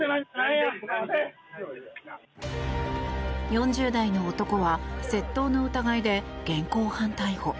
４０代の男は窃盗の疑いで現行犯逮捕。